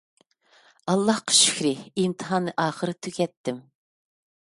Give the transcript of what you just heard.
ئاللاھقا شۈكرى. ئىمتىھاننى ئاخىرى تۈگەتتىم.